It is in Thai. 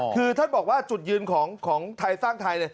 คือท่านบอกว่าจุดยืนของไทยสร้างไทยเลย